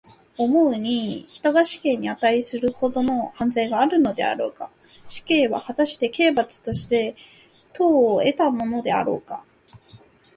思うに、人に死刑にあたいするほどの犯罪があるであろうか。死刑は、はたして刑罰として当をえたものであろうか。